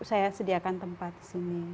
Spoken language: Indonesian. saya sediakan tempat di sini